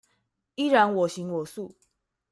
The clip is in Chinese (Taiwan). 依然我行我素